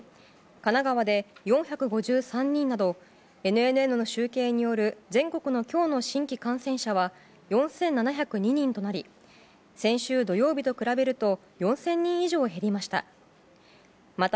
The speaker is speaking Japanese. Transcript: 神奈川で４５３人などＮＮＮの集計による全国の今日の新規感染者は４７０２人となり先週土曜日と比べると４０００人以上減りました。